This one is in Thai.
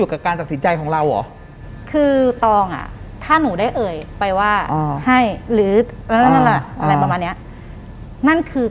หลังจากนั้นเราไม่ได้คุยกันนะคะเดินเข้าบ้านอืม